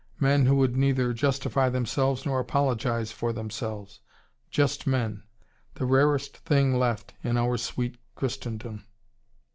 Men who would neither justify themselves nor apologize for themselves. Just men. The rarest thing left in our sweet Christendom.